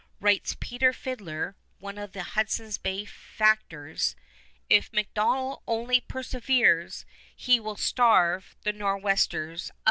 Writes Peter Fidler, one of the Hudson's Bay factors, "If MacDonell only perseveres, he will starve the Nor westers out."